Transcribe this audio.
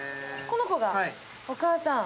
この子がお母さん。